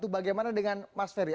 bagaimana dengan mas ferry